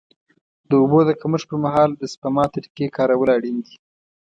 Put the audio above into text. د اوبو د کمښت پر مهال د سپما طریقې کارول اړین دي.